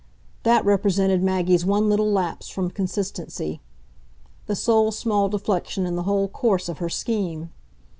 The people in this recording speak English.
That represented Maggie's one little lapse from consistency the sole small deflection in the whole course of her scheme.